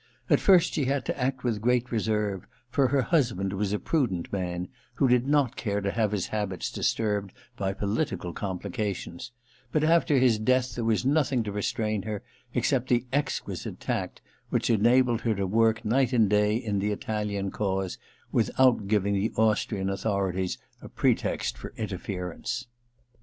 At first she had to act with great reserve, for her husband II THE LETTER 243 was a prudent man, who did not cai*e to have his habits disturbed by political complications ; but after his death there was nothing to restrain her, except the exquisite tact which enabled her to work night and day in the Italian cause with out giving the Austrian authorities a pretext for interference.